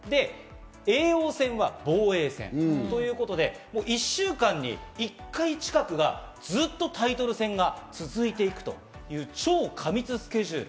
叡王戦は防衛戦ということで、１週間に１回近くがずっとタイトル戦が続いていくという超過密スケジュール。